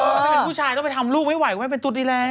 หลุงเป็นผู้ชายต้องไปทำลูกไม่ไหวก็กลัวเป็นตุ๊ดอี๋แล้ว